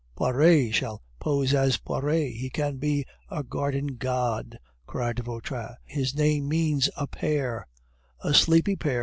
Poiret shall pose as Poiret. He can be a garden god!" cried Vautrin; "his name means a pear " "A sleepy pear!"